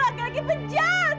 aku lagi penjat